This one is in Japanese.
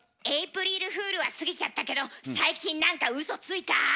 エイプリルフールは過ぎちゃったけど最近何かウソついた？